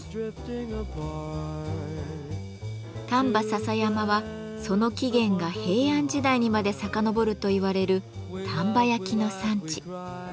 丹波篠山はその起源が平安時代にまでさかのぼるといわれる丹波焼の産地。